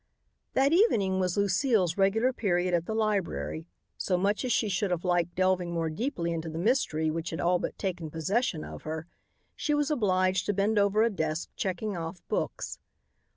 That evening was Lucile's regular period at the library, so, much as she should have liked delving more deeply into the mystery which had all but taken possession of her, she was obliged to bend over a desk checking off books.